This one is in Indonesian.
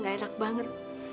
gak enak banget